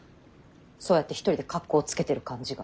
そうやって一人で格好つけてる感じが。